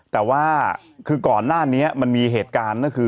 แต่ว่าคือก่อนหน้านี้มันมีเหตุการณ์ก็คือ